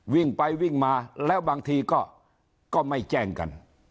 วิ่งไปวิ่งมาแล้วบางทีก็ไม่แจ้งกัน